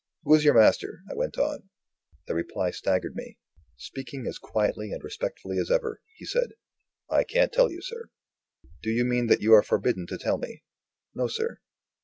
"Who is your master?" I went on. The reply staggered me. Speaking as quietly and respectfully as ever, he said: "I can't tell you, sir." "Do you mean that you are forbidden to tell me?" "No, sir."